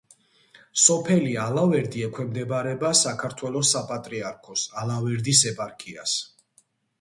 სოფელი ალავერდი ექვემდებარება საქართველოს საპატრიარქოს ალავერდის ეპარქიას.